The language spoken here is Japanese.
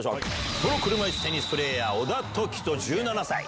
プロ車いすテニスプレーヤー、小田凱人１７歳。